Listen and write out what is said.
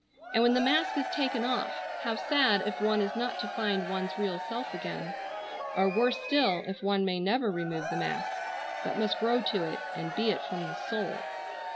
And when the mask is taken off how sad if one is not to find one's real self again: or worse still if one may never remove the mask, but must grow to it and be it from the soul.